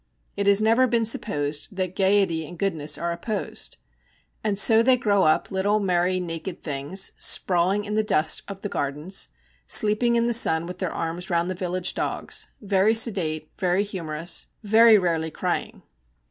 It has never been supposed that gaiety and goodness are opposed. And so they grow up little merry naked things, sprawling in the dust of the gardens, sleeping in the sun with their arms round the village dogs, very sedate, very humorous, very rarely crying.